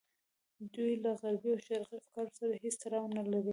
دوی له غربي او شرقي افکارو سره هېڅ تړاو نه لري.